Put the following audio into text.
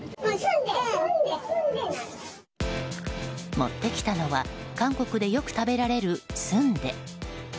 持ってきたのは韓国でよく食べられるスンデ。